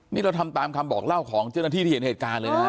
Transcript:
นี่เราทำตามคำบอกเล่าของเจ้าหน้าที่ที่เห็นเหตุการณ์เลยนะ